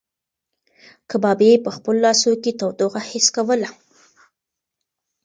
کبابي په خپلو لاسو کې تودوخه حس کوله.